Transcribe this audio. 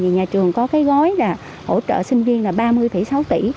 nhà trường có cái gói là hỗ trợ sinh viên là ba mươi sáu tỷ